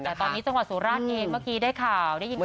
แต่ตอนนี้จังหวัดสุราชเองเมื่อกี้ได้ข่าวได้ยินข่าว